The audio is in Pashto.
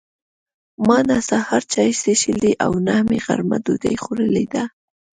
ما نه سهار چای څښلي او نه مې غرمه ډوډۍ خوړلې ده.